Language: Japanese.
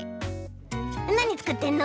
なにつくってんの？